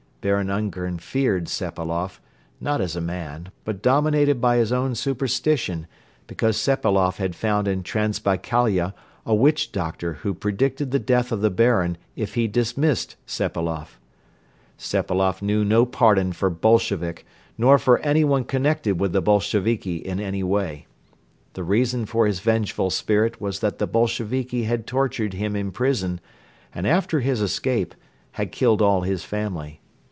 Baron Ungern feared Sepailoff, not as a man, but dominated by his own superstition, because Sepailoff had found in Transbaikalia a witch doctor who predicted the death of the Baron if he dismissed Sepailoff. Sepailoff knew no pardon for Bolshevik nor for any one connected with the Bolsheviki in any way. The reason for his vengeful spirit was that the Bolsheviki had tortured him in prison and, after his escape, had killed all his family.